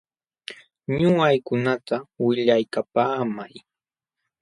Ñuqaykunata willaykapaamay.